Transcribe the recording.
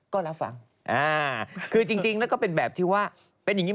ก็รับฟังอ่าคือจริงแล้วก็เป็นแบบที่ว่าเป็นอย่างนี้